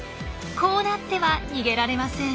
こうなっては逃げられません。